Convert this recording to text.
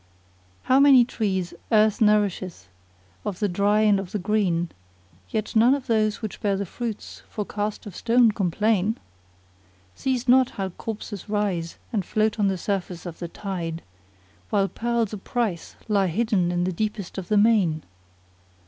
How many trees earth nourisheth of the dry and of the green * Yet none but those which bear the fruits for cast of stone complain. See'st not how corpses rise and float on the surface of the tide * While pearls o'price lie hidden in the deepest of the main!